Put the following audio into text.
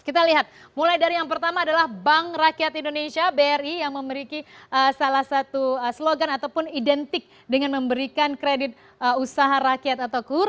kita lihat mulai dari yang pertama adalah bank rakyat indonesia bri yang memiliki salah satu slogan ataupun identik dengan memberikan kredit usaha rakyat atau kur